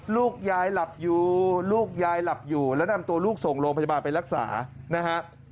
ลูกยายหลับอยู่ลูกยายหลับอยู่แล้วนำตัวลูกส่งโรงพยาบาลไปรักษานะฮะ